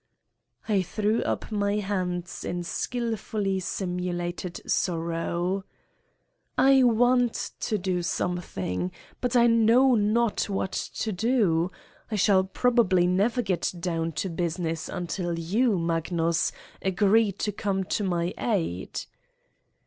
I threw up my hands in skillfully simulated sorrow : "I want to do something, but I know not what to do. I shall probably never get down to business until you, Magnus, agree to come to my aid."